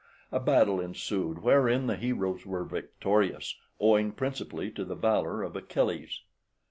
A battle ensued, wherein the heroes were victorious, owing principally to the valour of Achilles.